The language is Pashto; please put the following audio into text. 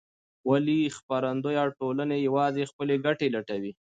ولې خپرندویه ټولنې یوازې خپلې ګټې لټوي؟